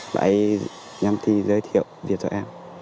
bà ấy nhắm thi giới thiệu việc cho em